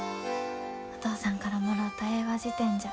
お父さんからもろうた英和辞典じゃ。